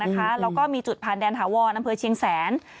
แล้วก็มีจุดผ่านแดนถาวรอำเภอเชียงแสน